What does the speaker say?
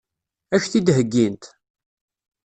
Ad k-t-id-heggint?